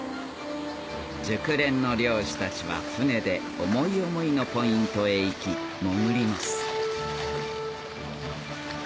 熟練の漁師たちは舟で思い思いのポイントへ行き潜ります